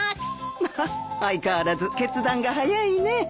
まあ相変わらず決断が早いね。